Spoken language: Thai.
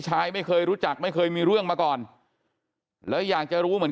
ชายไม่เคยรู้จักไม่เคยมีเรื่องมาก่อนแล้วอยากจะรู้เหมือน